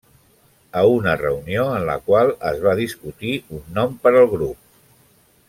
A una reunió en la qual es va discutir un nom per al grup.